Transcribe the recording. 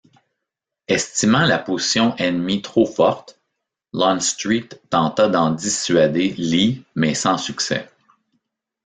Estimant la position ennemie trop forte, Lonstreet tenta d'en dissuader Lee mais sans succès.